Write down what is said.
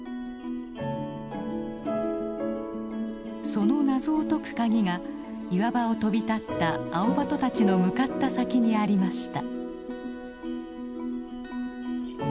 その謎を解く鍵が岩場を飛び立ったアオバトたちの向かった先にありました。